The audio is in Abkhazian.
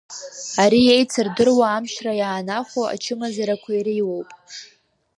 Ари еицырдыруа амчра иаанахәо ачымазарақәа иреиуоуп.